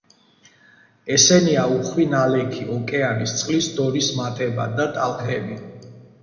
ესენია უხვი ნალექი ოკეანის წყლის დონის მატება და ტალღები.